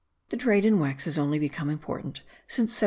The trade in wax has only become important since 1772.